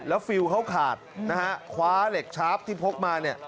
แล้วฟิลเขาขาดขวาเหล็กชาร์ฟที่พกมา